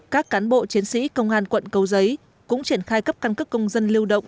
các cán bộ chiến sĩ công an quận cầu giấy cũng triển khai cấp căn cước công dân lưu động